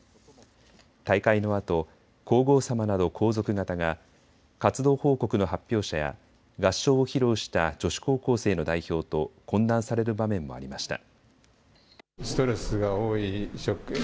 大会のあと皇后さまなど皇族方が活動報告の発表者や合唱を披露した女子高校生の代表と懇談される場面もありました。